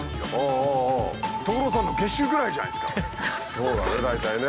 そうだね大体ね。